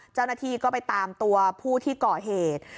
เจ้าหนัฐีก็ไปตามตัวพู้ที่เก่าเหตุ